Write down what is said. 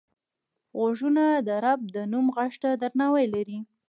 غوږونه د رب د نوم غږ ته درناوی لري